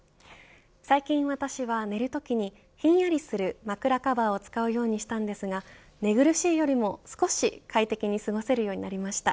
最近私は、寝るときにひんやりする枕カバーを使うようにしたんですが寝苦しい夜も少し快適に過ごせるようになりました。